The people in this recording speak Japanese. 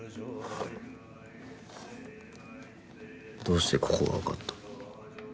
どうしてここがわかった？